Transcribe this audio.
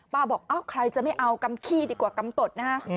ป้าบอกอ้าวใครจะไม่เอากรรมขี้ดีกว่ากรรมตดนะคะ